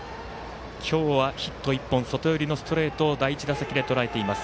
今日は、ヒット１本外寄りのストレートを第１打席でとらえています。